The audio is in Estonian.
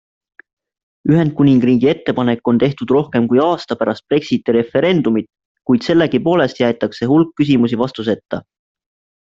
Ühendkuningriigi ettepanek on tehtud rohkem kui aasta pärast Brexiti referendumit, kuid sellegipoolest jäetakse hulk küsimusi vastuseta.